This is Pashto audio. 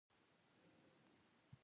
دا توکي د مصرف په برخه کې لګول کیږي.